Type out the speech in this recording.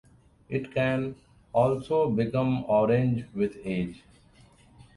It can also become orange with age.